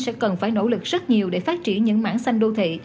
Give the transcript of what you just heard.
sẽ cần phải nỗ lực rất nhiều để phát triển những mảng xanh đô thị